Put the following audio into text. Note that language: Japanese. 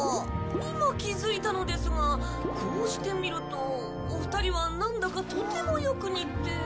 今気づいたのですがこうして見るとお二人はなんだかとてもよく似て。